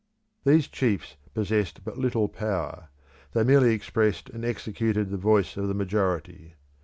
These chiefs possessed but little power; they merely expressed and executed the voice of the majority.